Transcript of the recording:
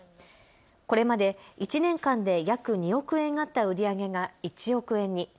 これまで１年間で約２億円あった売り上げが１億円に。